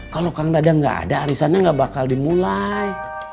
kalau kang dadang gak ada arisannya gak bakal dimulai